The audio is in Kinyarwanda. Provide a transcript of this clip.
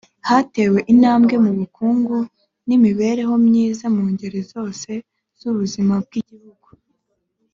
hatewe intambwe mu bukungu n’imibereho myiza mu ngeri zose z’ubuzima bw’igihugu